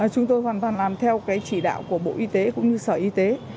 chúng tôi hoàn toàn làm theo cái chỉ đạo của bộ y tế cũng như sở y tế